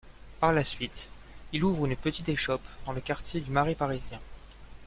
Par la suite, il ouvre une petite échoppe dans le quartier du Marais parisien.